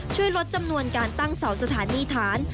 ช่วยลดจำนวนการตั้งเสาสถานีฐาน